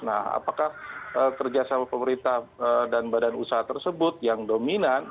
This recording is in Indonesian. nah apakah kerjasama pemerintah dan badan usaha tersebut yang dominan